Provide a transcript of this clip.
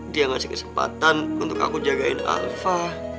dia ngasih kesempatan untuk aku jagain alfa